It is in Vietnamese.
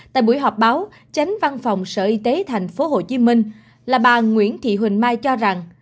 tại buổi họp báo tránh văn phòng sở y tế tp hcm là bà nguyễn thị huỳnh mai cho rằng